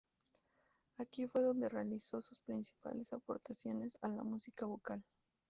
Aquí fue donde realizó sus principales aportaciones a la música vocal.